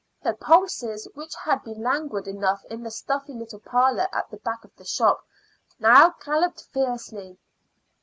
Her pulses, which had been languid enough in the stuffy little parlor at the back of the shop, now galloped fiercely.